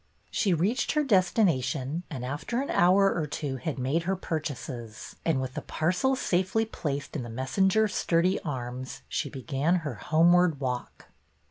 She reached her destination, and after an hour or two had made her purchases, and with the parcels safely placed in the messenger's sturdy arms, she began her homeward walk.